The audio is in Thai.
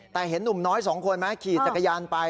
แต่เห็นนุ่มน้อย๒คนมาขี่จักรยานไป